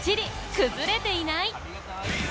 崩れていない！